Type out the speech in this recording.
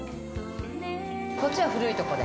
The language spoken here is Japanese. こっちは古いとこで。